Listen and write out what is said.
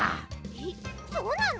えっそうなの？